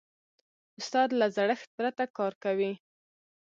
استاد له زړښت پرته کار کوي.